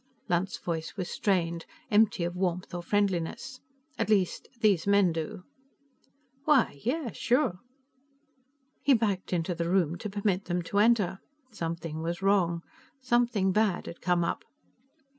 Lunt's voice was strained, empty of warmth or friendliness. "At least, these men do." "Why, yes. Sure." He backed into the room to permit them to enter. Something was wrong; something bad had come up.